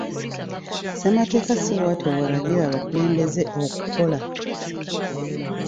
Ssemateeka ssi bwatyo bwalagira abakulembeze okukola.